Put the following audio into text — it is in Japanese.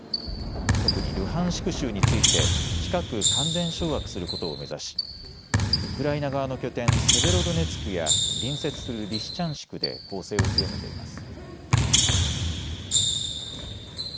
特にルハンシク州について近く完全掌握することを目指しウクライナ側の拠点セベロドネツクや隣接するリシチャンシクで攻勢を強めています。